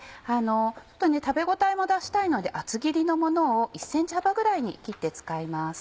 食べ応えを出したいので厚切りのものを１ｃｍ幅ぐらいに切って使います。